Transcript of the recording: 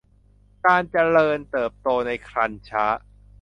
การเจริญเติบโตในครรภ์ช้า